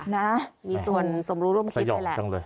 มีส่วนสมรู้ร่วมคิดเลยละ